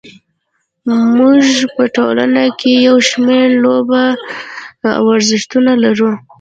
موږ په ټولنه کې یو شمېر لوبې او ورزشونه لرو.